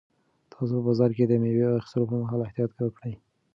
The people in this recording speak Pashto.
تاسو په بازار کې د مېوو د اخیستلو پر مهال احتیاط وکړئ.